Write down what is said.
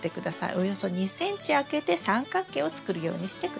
およそ２ｃｍ空けて三角形を作るようにして下さい。